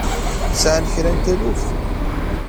Sɛan kra n taluft?